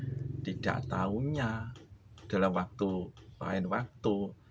jadi tidak tahunya dalam waktu lain waktu